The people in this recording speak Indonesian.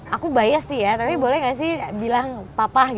aku bias sih ya tapi boleh gak sih bilang papa